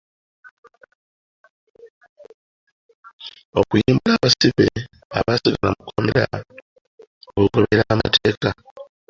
Okuyimbula abasibe abaasigala mu kkomera ng’ogoberera amateeka.